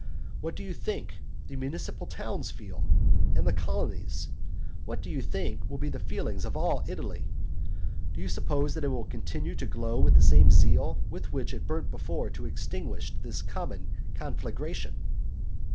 What do you think the municipal towns feel? and the colonies? What do you think will be the feelings of all Italy? Do you suppose that it will continue to glow with the same zeal with which it burnt before to extinguish this common conflagration?